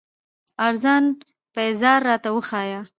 ارزان پېزار راته وښايه